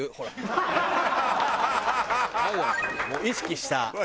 意識した。